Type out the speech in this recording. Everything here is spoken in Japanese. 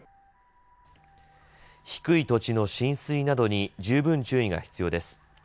低い土地の浸水などに十分注意が必要です。